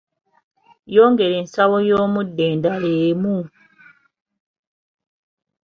Yongera ensawo y’omuddo endala emu.